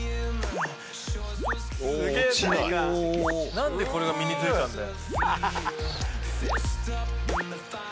なんでこれが身についたんだよ？